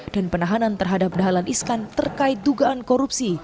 dan penahanan terhadap dalan iskan terkait dugaan korupsi